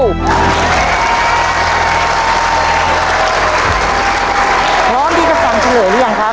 พร้อมที่จะฟังเฉลยหรือยังครับ